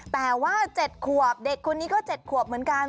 แต่ว่า๗ขวบเด็กคนนี้ก็๗ขวบเหมือนกัน